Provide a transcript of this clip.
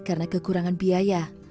karena kekurangan biaya